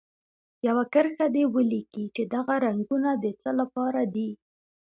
یوه کرښه دې ولیکي چې دغه رنګونه د څه لپاره دي.